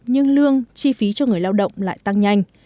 nhưng lương chi phí cho người lao động lại tăng nhanh